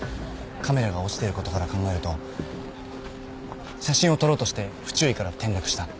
カメラが落ちてることから考えると写真を撮ろうとして不注意から転落した。